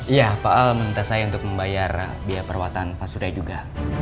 iya pak al meminta saya untuk membayar biaya perawatan pak surya juga